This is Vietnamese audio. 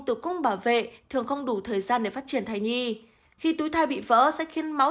tử cung bảo vệ thường không đủ thời gian để phát triển thai nhi khi túi thai bị vỡ sẽ khiến máu